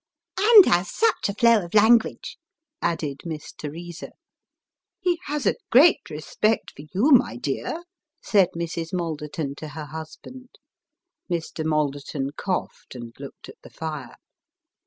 " And has such a flow of language !" added Miss Teresa. " He has a great respect for you, my dear," said Mrs. 'Malderton to her husband. Mr. Malderton coughed, and looked at the fire.